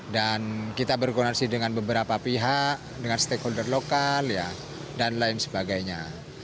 dan kita berkonansi dengan beberapa pihak dengan stakeholder lokal dan lain sebagainya